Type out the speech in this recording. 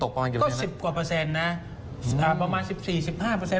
ก็๑๐กว่าเปอร์เซ็นต์นะประมาณ๑๔๑๕เปอร์เซ็นต์